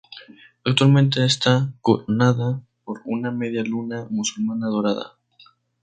Actualmente está coronada por una media luna musulmana dorada.